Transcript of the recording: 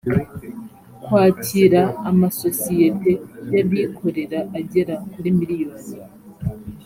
kwakira amasosiyete y abikorera agera kuri miliyoni